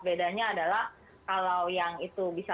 bedanya adalah kalau yang itu bisa